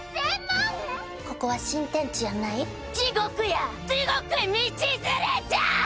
ここは新天地やない、地獄や地獄へ道連れじゃー！